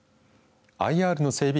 ＩＲの整備